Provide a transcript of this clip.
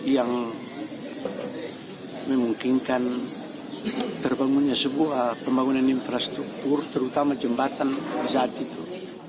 yang memungkinkan terbangunnya sebuah pembangunan infrastruktur terutama jembatan saat itu